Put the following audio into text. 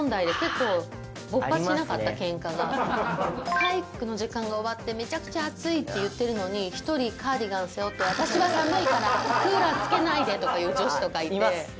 体育の時間が終わってめちゃくちゃ暑いって言ってるのに一人カーディガンを背負って「私は寒いからクーラーつけないで！」とかいう女子とかいて。